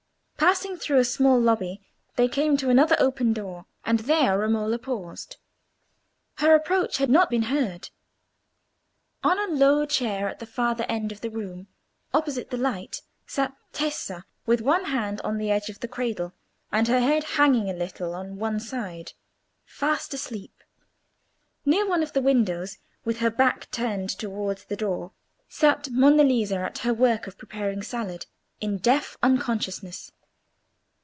Passing through a small lobby, they came to another open door, and there Romola paused. Her approach had not been heard. On a low chair at the farther end of the room, opposite the light, sat Tessa, with one hand on the edge of the cradle, and her head hanging a little on one side, fast asleep. Near one of the windows, with her back turned towards the door, sat Monna Lisa at her work of preparing salad, in deaf unconsciousness.